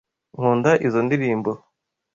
Nkunda izoi ndirimbo.